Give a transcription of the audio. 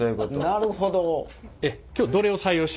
なるほど。